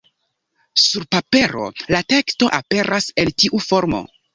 Sur papero la teksto aperas en tiu formo.